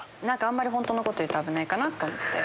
あんまり本当のこと言うと危ないかなと思って。